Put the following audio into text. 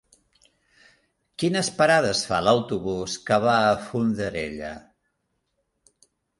Quines parades fa l'autobús que va a Fondarella?